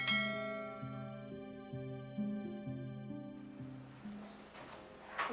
aku harus usaha cari uang sekarang juga